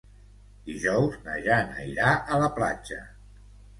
Dijous na Jana irà a la platja.